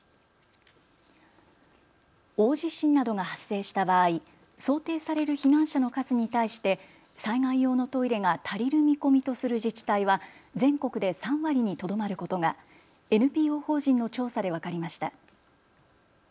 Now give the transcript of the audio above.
大地震などが発生した場合、想定される避難者の数に対して災害用のトイレが足りる見込みとする自治体は全国で３割にとどまることがＮＰＯ法人の調査で分かりました。